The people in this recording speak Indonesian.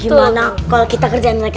semoga ada tempat yang lain